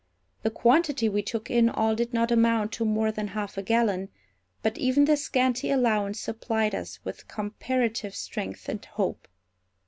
The quantity we took in all did not amount to more than half a gallon; but even this scanty allowance supplied us with comparative strength and hope.